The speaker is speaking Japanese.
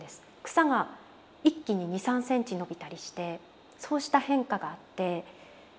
草が一気に２３センチ伸びたりしてそうした変化があって。